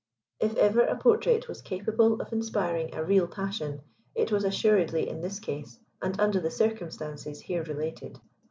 If ever a portrait was capable of inspiring a real passion, it was assuredly in this case and under the circumstances here related.